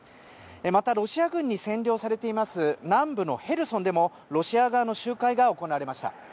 また、ロシア軍に占領されている南部のヘルソンでもロシア側の集会が行われました。